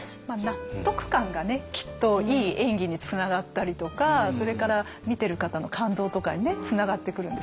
納得感がねきっといい演技につながったりとかそれから見てる方の感動とかにつながってくるんですよね。